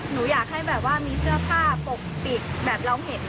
หนูอยากให้แบบว่ามีเสื้อผ้าปกปิดแบบเราเห็น